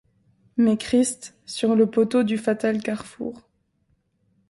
Mais Christ, sur le poteau du fatal carrefour